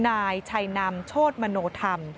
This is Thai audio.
นายชัยนำโชธมโนธรรม